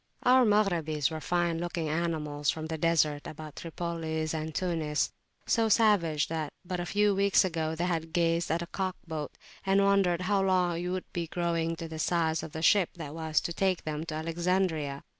Our Maghrabis were fine looking animals from the deserts about Tripoli and Tunis; so savage that, but a few weeks ago, they had gazed at the cock boat, and wondered how long it would be growing to the size of the ship that was to take them to Alexandria.